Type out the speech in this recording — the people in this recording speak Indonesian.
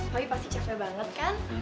tapi pasti capek banget kan